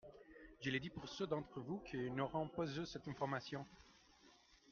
Je le dis pour ceux d’entre vous qui n’auraient pas eu cette information.